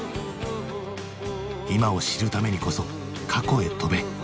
今を知るためにこそ過去へ飛べ。